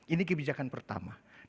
ini kebijakan pertamanya